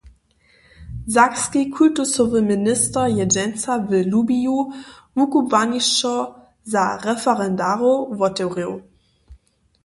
Sakski kultusowy minister je dźensa w Lubiju wukubłanišćo za referendarow wotewrěł.